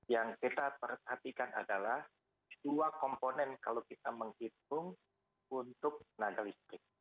yang kita perhatikan adalah dua komponen kalau kita menghitung untuk tenaga listrik